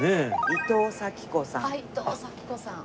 伊藤咲子さん。